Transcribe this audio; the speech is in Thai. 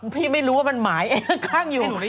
พี่ไม่รู้ว่ามันหมายข้างอยู่